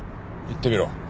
言ってみろ。